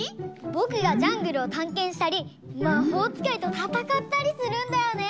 ぼくがジャングルをたんけんしたりまほうつかいとたたかったりするんだよね。